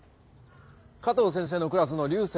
加藤先生のクラスの流星。